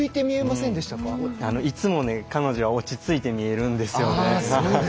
いつもね、彼女は落ち着いて見えるんですよね。